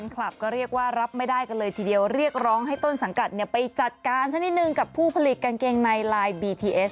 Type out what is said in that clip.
คลับก็เรียกว่ารับไม่ได้กันเลยทีเดียวเรียกร้องให้ต้นสังกัดเนี่ยไปจัดการซะนิดนึงกับผู้ผลิตกางเกงในลายบีทีเอส